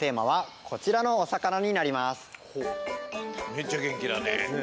めっちゃ元気だね。